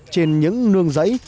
trên những nương giấy